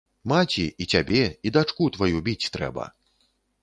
Маці, і цябе і дачку тваю біць трэба.